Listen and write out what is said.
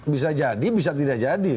bisa jadi bisa tidak jadi